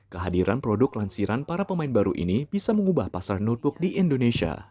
kehadiran produk lansiran para pemain baru ini bisa mengubah pasar notebook di indonesia